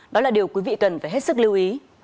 đó là điều quý vị cần phải hết sức lưu ý